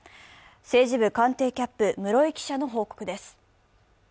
政治部官邸キャップ、室井記者の報告です。